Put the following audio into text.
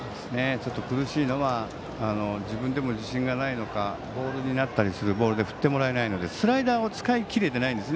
苦しいのは自分でも自信がないのかボールになったりするボールを振ってもらえないのでスライダーを使い切れていないんです。